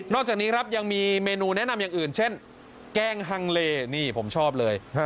จากนี้ครับยังมีเมนูแนะนำอย่างอื่นเช่นแกงฮังเลนี่ผมชอบเลย